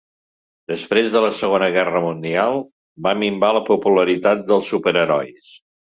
Després de la Segona Guerra Mundial, va minvar la popularitat dels superherois.